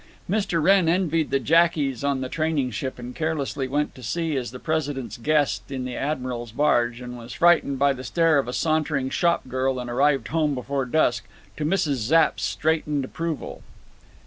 Mr. Wrenn envied the jackies on the training ship and carelessly went to sea as the President's guest in the admiral's barge and was frightened by the stare of a sauntering shop girl and arrived home before dusk, to Mrs. Zapp's straitened approval.